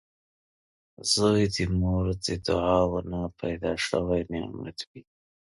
• زوی د مور د دعاوو نه پیدا شوي نعمت وي